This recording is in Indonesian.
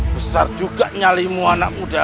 besar juga nyalimu anak muda